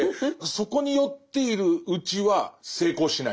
そこに酔っているうちは成功しない。